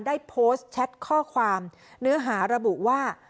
ได้โพสต์แชทข้อความเนื้อหาระบุว่า